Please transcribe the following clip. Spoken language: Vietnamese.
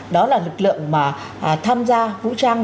đó là lực lượng mà tham gia vũ trang